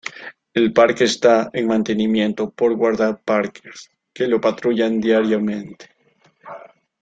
El parque está en mantenimiento por guardaparques que lo patrullan diariamente.